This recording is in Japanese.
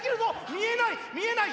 見えない見えない！